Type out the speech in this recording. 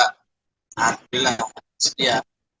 alhamdulillah di sini ya